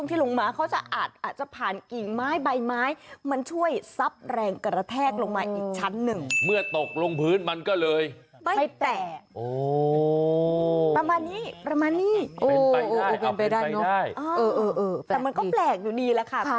โอเคอ่ะสนุนแล้วไข่ก็ตกออกมาไม่แตะ